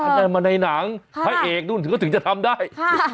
อันนั้นมาในหนังพระเอกนู่นถึงจะทำได้